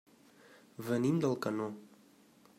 Venim d'Alcanó.